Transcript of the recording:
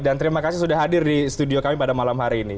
dan terima kasih sudah hadir di studio kami pada malam hari ini